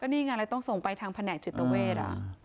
ก็นี่งั้นเลยต้องส่งไปทางแผนกจิตเวท